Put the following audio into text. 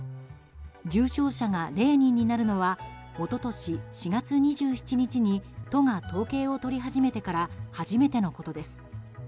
重症者が０人になるのは一昨年４月２７日に都が統計を取り始めてから初めてのことです。